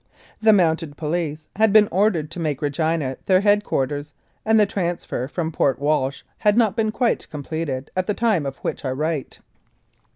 The Mounted Police had been ordered to make Regina their head quarters, and the transfer from Port Walsh had not been quite completed at the time of which I write.